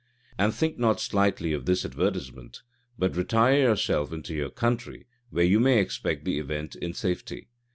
And think not slightly of this advertisement; but retire yourself into your country, where you may expect the event in safety.